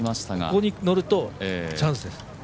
ここに乗るとチャンスです。